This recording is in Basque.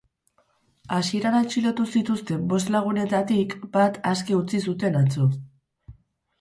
Hasieran atxilotu zituzten bost lagunetatik bat aske utzi zuten atzo.